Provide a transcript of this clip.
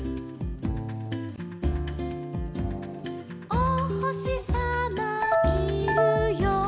「おほしさまいるよ」